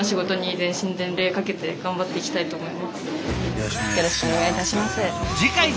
よろしくお願いします。